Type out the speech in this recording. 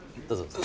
どうぞ。